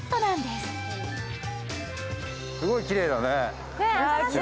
すごいきれいだね。